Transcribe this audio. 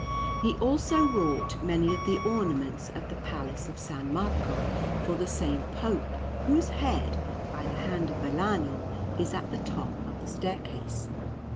He also wrought many of the ornaments of the Palace of S. Marco for the same Pope, whose head, by the hand of Vellano, is at the top of the staircase.